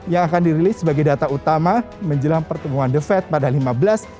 yang akan dirilis sebagai data utama menjelang pertumbuhan the fed pada lima belas maret dua ribu dua puluh satu